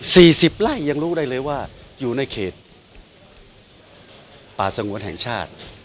สี่สิบไร่ยังรู้ได้เลยว่าอยู่ในเขตป่าสงวนแห่งชาติ